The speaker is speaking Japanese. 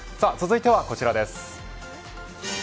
続いてはこちらです。